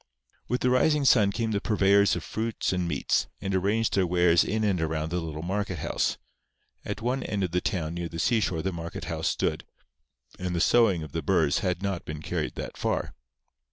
With the rising sun came the purveyors of fruits and meats, and arranged their wares in and around the little market house. At one end of the town near the seashore the market house stood; and the sowing of the burrs had not been carried that far.